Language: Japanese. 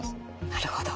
なるほど。